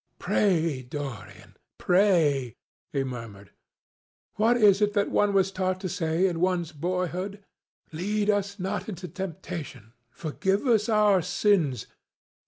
"Pray, Dorian, pray," he murmured. "What is it that one was taught to say in one's boyhood? 'Lead us not into temptation. Forgive us our sins.